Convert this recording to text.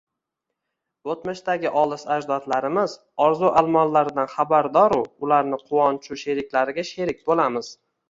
o‘tmishdagi olis ajdodlarimiz orzu armonlaridan xabardoru ularning quvonchu sheriklariga sherik bo‘lamiz